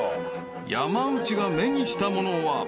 ［山内が目にしたものは］